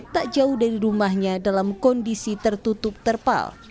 tak jauh dari rumahnya dalam kondisi tertutup terpal